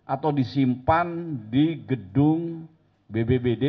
atau disimpan di gedung bbbd